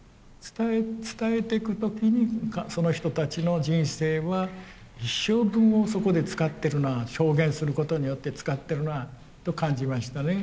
伝えていく時にその人たちの人生は一生分をそこで使ってるな証言することによって使ってるなと感じましたね。